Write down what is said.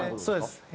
そうです。